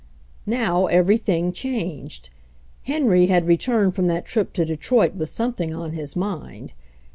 Now everything changed. Henry had returned from that trip to Detroit with something on his mind.